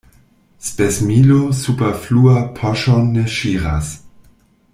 Spesmilo superflua poŝon ne ŝiras.